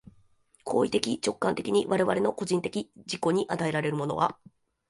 行為的直観的に我々の個人的自己に与えられるものは、